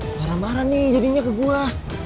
marah marah nih jadinya ke buah